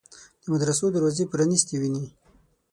د مدرسو دروازې پرانیستې ویني.